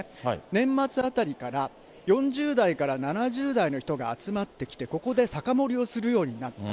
年末あたりから、４０代から７０代の人が集まってきて、ここで酒盛りをするようになった。